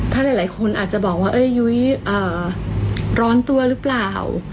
เท่าไหร่หลายคนอาจจะบอกว่าเออยุ้ยเอ่อร้อนตัวหรือเปล่า